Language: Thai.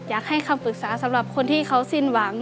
คำปรึกษาสำหรับคนที่เขาสิ้นหวัง